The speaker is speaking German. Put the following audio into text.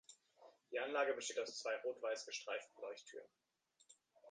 Die Anlage besteht aus zwei rot-weiß gestreiften Leuchttürmen.